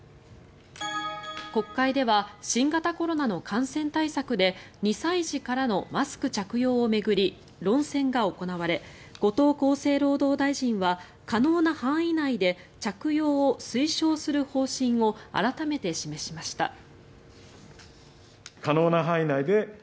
国会では新型コロナの感染対策で２歳児からのマスク着用を巡り論戦が行われ後藤厚生労働大臣は可能な範囲内で着用を推奨する方針を改めて示しました。